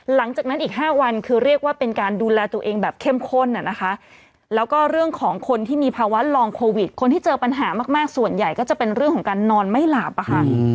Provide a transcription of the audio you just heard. หลังจากนั้นอีก๕วันคือเรียกว่าเป็นการดูแลตัวเองแบบเข้มข้นนะคะแล้วก็เรื่องของคนที่มีภาวะลองโควิดคนที่เจอปัญหามากส่วนใหญ่ก็จะเป็นเรื่องของการนอนไม่หลับอะค่ะ